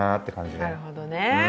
なるほどね！